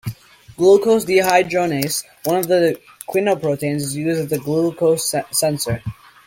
Glucose dehydrogenase, one of the quinoproteins, is used as a glucose sensor.